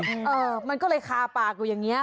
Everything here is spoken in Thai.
เออมันก็เลยคาปากอย่างนี้ค่ะ